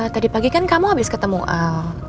tadi pagi kan kamu abis ketemu al